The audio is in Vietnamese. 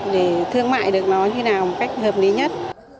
để thương mại được nó như nào một cách hợp lý nhất